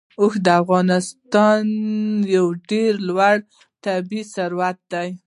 اوښ د افغانستان یو ډېر لوی طبعي ثروت دی.